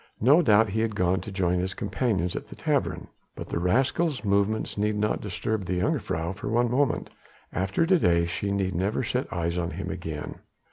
No doubt he had gone to join his companions at the tavern. But the rascal's movements need not disturb the jongejuffrouw for one moment. After to day she need never set eyes on him again."